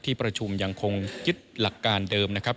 ประชุมยังคงยึดหลักการเดิมนะครับ